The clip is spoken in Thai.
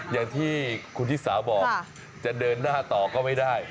อย่างที่คุณชิสาบอกจะเดินหน้าต่อก็ไม่ได้